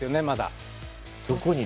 まだ。